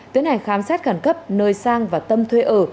tiến hành khám xét khẩn cấp nơi sang và tâm thuê ở